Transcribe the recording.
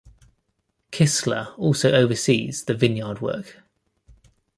Kistler also oversees the vineyard work.